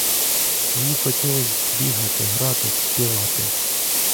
Їй хотілось бігати, гратись, співати.